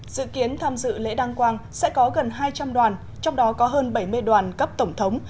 dự kiến tham dự lễ đăng quang sẽ có gần hai trăm linh đoàn trong đó có hơn bảy mươi đoàn cấp tổng thống